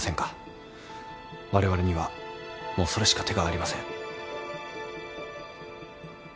われわれにはもうそれしか手がありません。